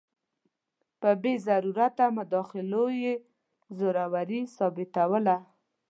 په بې ضرورته مداخلو یې زوروري ثابتوله.